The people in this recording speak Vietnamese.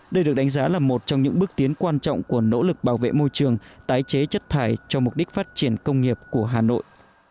đây được đánh giá là một trong những bước tiến quan trọng của nỗ lực bảo vệ môi trường tái chế chất thải cho mục đích phát triển công nghiệp của hà nội